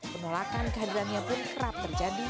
penolakan kehadirannya pun kerap terjadi